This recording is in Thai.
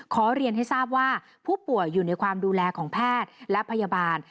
ขอเรียนให้ทราบว่าผู้ป่วยอยู่ในความดูแลของแพทย์และพยาบาล